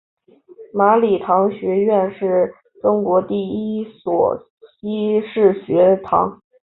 马礼逊学堂是中国第一所西式学堂。